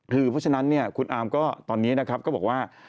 คือเพราะฉะนั้นเนี่ยคุณอาร์มก็ตอนนี้นะครับก็บอกว่า